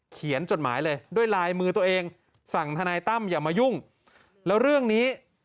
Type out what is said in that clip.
จดหมายเลยด้วยลายมือตัวเองสั่งทนายตั้มอย่ามายุ่งแล้วเรื่องนี้